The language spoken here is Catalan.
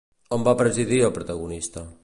On va presidir el protagonista?